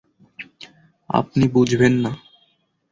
আপনি বুঝবেন না।